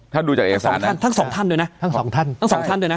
ถ้าดูจากเอกสารสองท่านทั้งสองท่านด้วยนะทั้งสองท่านทั้งสองท่านด้วยนะ